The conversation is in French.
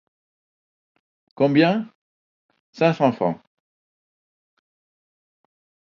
Combien? Cinq cents francs.